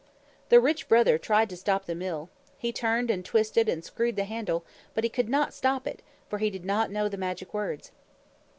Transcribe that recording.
The Rich Brother tried to stop the Mill. He turned and twisted and screwed the handle, but he could not stop it, for he did not know the magic words.